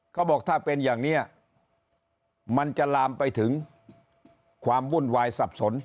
เขาบอกถ้าเป็นอย่างนี้มันจะลามไปถึงความวุ่นวายสับสน